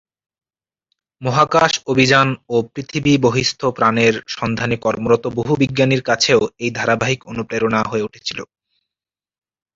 মহাকাশ অভিযান ও পৃথিবী-বহিঃস্থ প্রাণের সন্ধানে কর্মরত বহু বিজ্ঞানীর কাছেও এই ধারাবাহিক অনুপ্রেরণা হয়ে উঠেছিল।